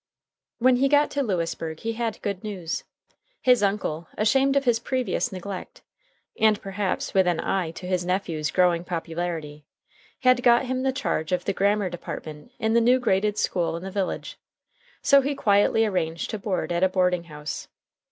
When he got to Lewisburg he had good news. His uncle, ashamed of his previous neglect, and perhaps with an eye to his nephew's growing popularity, had got him the charge of the grammar department in the new graded school in the village. So he quietly arranged to board at a boarding house.